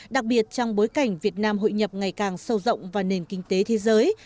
đặc biệt trong bối cảnh việt nam hội nhập ngày càng sâu rộng vào nền kinh tế thế giới